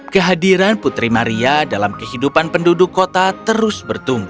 kehadiran putri maria dalam kehidupan penduduk kota terus bertumbuh